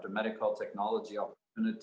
juga tentang teknologi medikal